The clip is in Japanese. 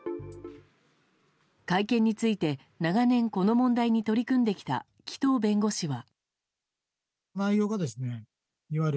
会見について長年この問題に取り組んできた紀藤弁護士は。